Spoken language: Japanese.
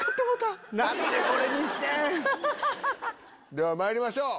ではまいりましょう！